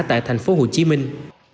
tại thành phố hồ chí minh